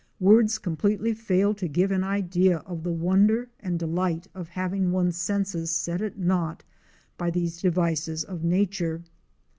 Words completely fail to give an idea of the wonder and delight of having one's senses set at naught by these devices of nature.